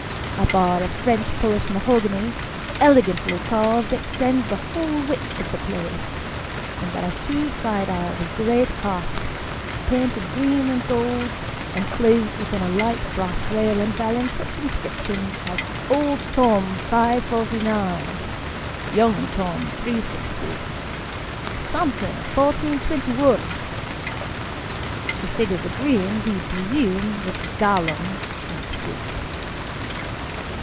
A bar of French polished mahogany, elegantly carved, extends the whole width of the place ; and there are two side aisles of great casks, painted green and gold, enclosed within a light brass rail, and bearing such inscriptions, as " Old Tom, 549 ;"" Young Tom, 360 ;"" Samson, 1421 "the figures agreeing, we presume, with " gallons," understand.